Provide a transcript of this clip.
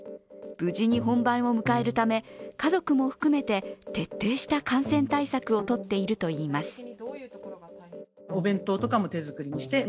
無事に本番を迎えるため家族も含めて徹底した感染対策をとっているといいます。